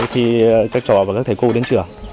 khi các trò và các thầy cô đến trường